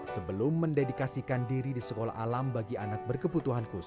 sebelum mendedikasikan diri di sekolah alam bagi anak berkebutuhan khusus